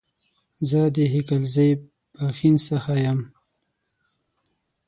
زه د هيکلزئ ، پښين سخه يم